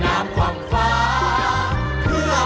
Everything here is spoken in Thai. เพื่อพลังสะท้าของคนลูกทุก